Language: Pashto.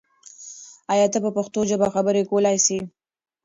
آیا ته په پښتو ژبه خبرې کولای سې؟